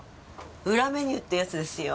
裏メニューってやつですよ。